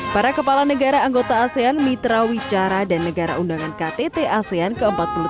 para kepala negara anggota asean mitra wicara dan negara undangan ktt asean ke empat puluh tiga